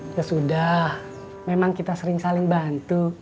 ya sudah memang kita sering saling bantu